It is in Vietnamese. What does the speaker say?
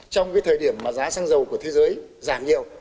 trong cái thời điểm mà giá xăng dầu của thế giới giảm nhiều